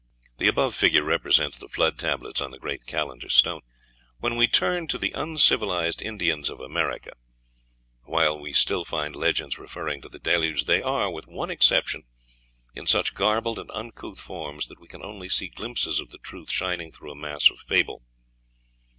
The above figure represents the Flood tablet on the great Calendar stone. When we turn to the uncivilized Indians of America, while we still find legends referring to the Deluge, they are, with one exception, in such garbled and uncouth forms that we can only see glimpses of the truth shining through a mass of fable.